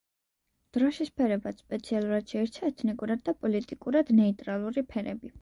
დროშის ფერებად სპეციალურად შეირჩა ეთნიკურად და პოლიტიკურად ნეიტრალური ფერები.